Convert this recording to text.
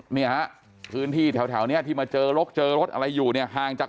เนี่ยฮะพื้นที่แถวนี้ที่มาเจอลกเจอรถอะไรอยู่เนี่ยห่างจาก